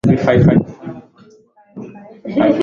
Wa elfu moja mia tisa tisini na moja